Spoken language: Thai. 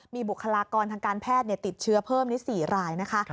มีบุคลากรทางการแพทย์ติดเชื้อเพิ่มใน๔รายนะคะ